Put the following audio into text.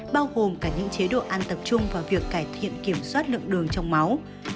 bao gồm cả những chế độ ăn tập trung vào việc cải thiện kiểm soát lượng đường trong máu